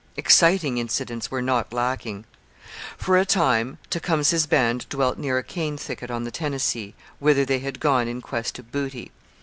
Exciting incidents were not lacking. For a time Tecumseh's band dwelt near a cane thicket on the Tennessee, whither they had gone in quest of booty.